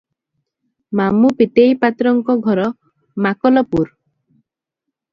ମାମୁ ପୀତେଇ ପାତ୍ରଙ୍କ ଘର ମାକଲପୁର ।